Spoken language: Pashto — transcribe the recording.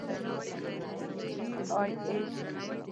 پی ای اې.